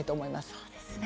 そうですね。